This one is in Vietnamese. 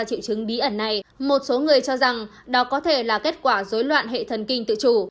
triệu chứng bí ẩn này một số người cho rằng đó có thể là kết quả dối loạn hệ thần kinh tự chủ